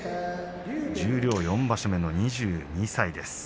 十両４場所目の２２歳です。